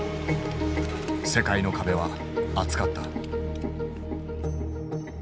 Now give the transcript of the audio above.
世界の壁は厚かった。